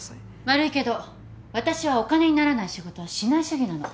悪いけど私はお金にならない仕事はしない主義なの。